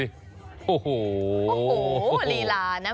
โอ้โหลีลานะ